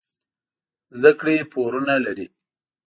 زده کړې پورونه لري.